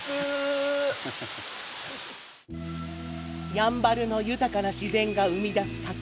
やんばるの豊かな自然が生み出す滝。